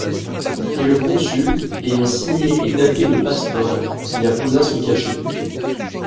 Et le consul, ayant signé et daté le passe-port, y apposa son cachet.